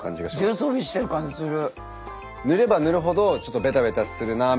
重装備してる感じする。